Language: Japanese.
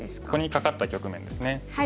ここにカカった局面ですね。